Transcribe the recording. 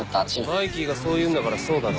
「マイキーがそう言うんだからそうだろ」